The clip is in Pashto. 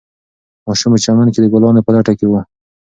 ماشوم په چمن کې د ګلانو په لټه کې و.